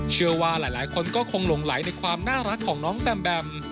เชื่อว่าหลายคนก็คงหลงไหลในความน่ารักของน้องแบมแบม